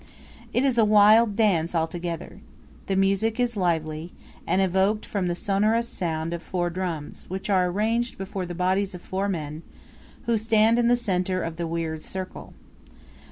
It is a wild dance altogether. The music is lively, and evoked from the sonorous sound of four drums, which are arranged before the bodies of four men, who stand in the centre of the weird circle.